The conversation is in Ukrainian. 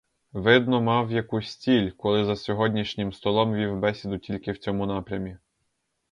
Видно, мав якусь ціль, коли за сьогоднішнім столом вів бесіду тільки в цьому напрямі.